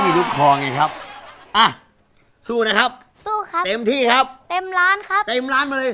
ในการใช้ไหม